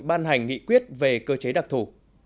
ban hành nghị quyết về cơ chế đặc thủ